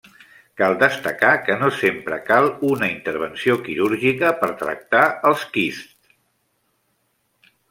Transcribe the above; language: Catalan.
Cal destacar que no sempre cal una intervenció quirúrgica per tractar és quists.